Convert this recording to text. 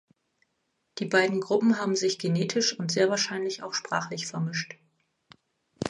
Die beiden Gruppen haben sich genetisch und sehr wahrscheinlich auch sprachlich vermischt.